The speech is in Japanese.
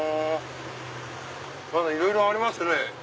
まだいろいろありますね。